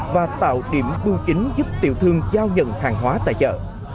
và tạo điểm bưu chính giúp tiểu thương giao nhận hàng hóa tại chợ